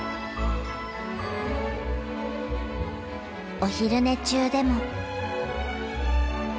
お昼寝中でも。